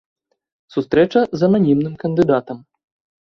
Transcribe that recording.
Сустрэча з ананімным кандыдатам.